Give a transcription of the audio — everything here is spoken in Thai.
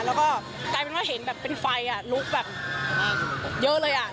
แล้วก็กลายเป็นว่าเห็นแบบเป็นไฟลุกแบบเยอะเลยอ่ะ